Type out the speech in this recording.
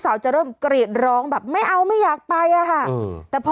จะเริ่มกรีดร้องแบบไม่เอาไม่อยากไปอ่ะค่ะแต่พอ